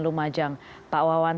pak wawan selamat malam